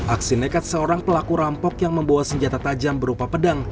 aksi nekat seorang pelaku rampok yang membawa senjata tajam berupa pedang